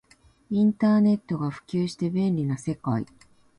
インターネットが普及して便利な世界